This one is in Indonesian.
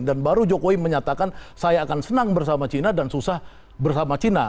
dan baru jokowi menyatakan saya akan senang bersama china dan susah bersama china